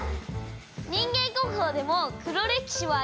人間国宝でも黒歴史はありますか？